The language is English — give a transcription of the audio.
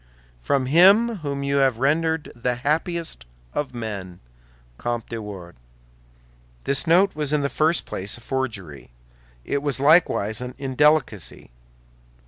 From him whom you have rendered the happiest of men, COMTE DE WARDES This note was in the first place a forgery; it was likewise an indelicacy.